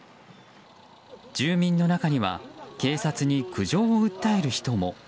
住民の中には警察に苦情を訴える人も。